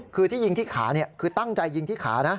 คือที่ยิงที่ขาคือตั้งใจยิงที่ขานะ